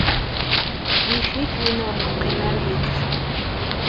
Yif-it win ur neqqim ara yid-sen.